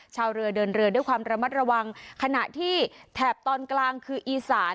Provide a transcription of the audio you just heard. ชาวเรือเดินเรือด้วยความระมัดระวังขณะที่แถบตอนกลางคืออีสาน